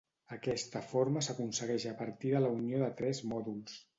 Aquesta forma s'aconsegueix a partir de la unió de tres mòduls.